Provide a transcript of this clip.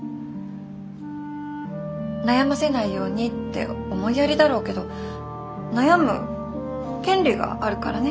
悩ませないようにって思いやりだろうけど悩む権利があるからね。